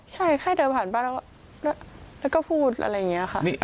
ใช่แค่เดินผ่านบ้านแล้วก็พูดอะไรอย่างนี้ค่ะ